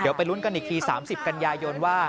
เดี๋ยวไปลุ้นกันอีกที๓๐กันยายนว่า